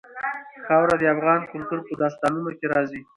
خاوره د افغان کلتور په داستانونو کې راځي.